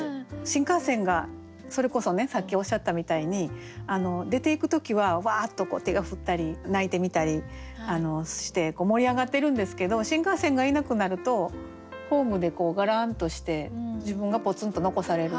新幹線がそれこそさっきおっしゃったみたいに出ていく時はわあっと手を振ったり泣いてみたりして盛り上がってるんですけど新幹線がいなくなるとホームでがらんとして自分がぽつんと残される。